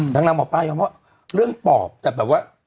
นางหมอป้ายังว่าเรื่องปอบแต่แบบว่า